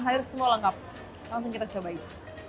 air semua lengkap langsung kita cobain